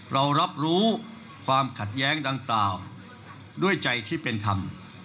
เรารับรู้ความขัดแย้งดังกล่าวด้วยใจที่เป็นธรรม